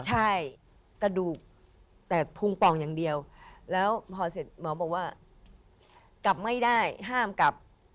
ใช่กระดูกแต่พุงป่องอย่างเดียวแล้วพอเสร็จหมอบอกว่ากลับไม่ได้ห้ามกลับ